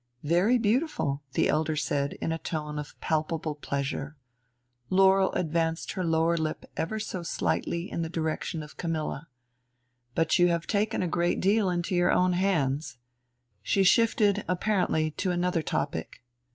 "Very beautiful," the elder said in a tone of palpable pleasure. Laurel advanced her lower lip ever so slightly in the direction of Camilla. "But you have taken a great deal into your own hands." She shifted apparently to another topic.